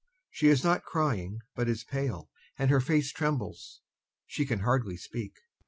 She is not crying but is pale, and her face trembles; she can hardly speak.